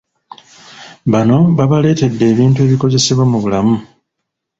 Bano babaleetedde ebintu ebikozesebwa mu bulamu.